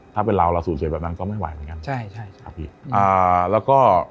ถ้าเป็นเราเราสูญเศษแบบนั้นก็ไม่ไหว